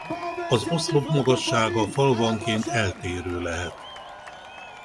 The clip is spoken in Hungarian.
A oszlop magassága falvanként eltérő lehet.